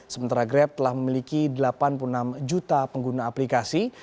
sementara grab telah memiliki delapan puluh enam juta pengguna aplikasi